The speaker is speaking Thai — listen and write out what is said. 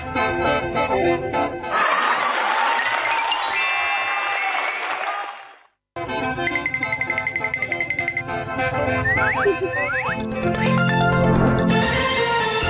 สวัสดีค่ะสวัสดีค่ะ